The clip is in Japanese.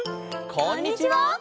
こんにちは！